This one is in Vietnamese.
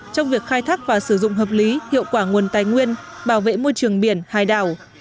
trong việc khai thác và sử dụng hợp lý hiệu quả nguồn tài nguyên bảo vệ môi trường biển hải đảo